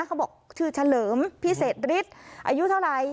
เขาบอกชื่อเฉลิมพิเศษฤทธิ์อายุเท่าไหร่